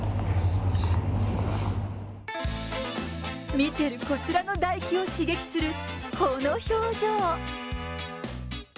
見てるこちらの唾液を刺激するこの表情。